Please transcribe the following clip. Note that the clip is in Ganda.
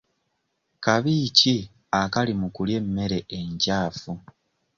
Kabi ki akali mu kulya emmere enkyafu?